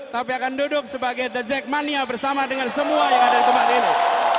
tapi akan duduk sebagai the jackmania bersama dengan semua yang ada di tempat ini